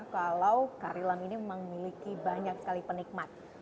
kalau kari lam ini memang memiliki banyak sekali penikmat